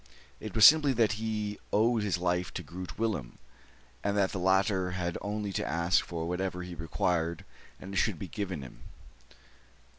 It was simply that he owed his life to Groot Willem, and that the latter had only to ask for whatever he required, and it should be given him.